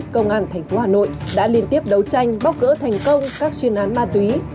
công an tp hà nội đã liên tiếp đấu tranh bóc cỡ thành công các chuyên án ma túy